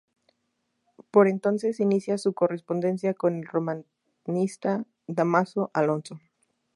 Por entonces inicia su correspondencia con el romanista Dámaso Alonso.